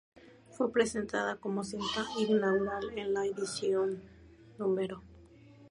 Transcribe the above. Fue presentada como cinta inaugural en la edición No.